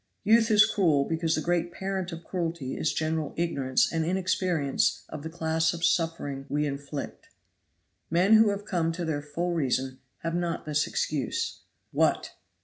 Youth is cruel because the great parent of cruelty is general ignorance and inexperience of the class of suffering we inflict. Men who have come to their full reason have not this excuse. What!